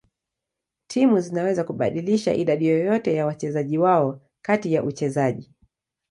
Timu zinaweza kubadilisha idadi yoyote ya wachezaji wao kati ya uchezaji.